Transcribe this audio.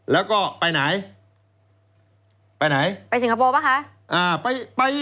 แล้วก็ไปไหนไปไหนไปสิงคโปร์ป่ะคะ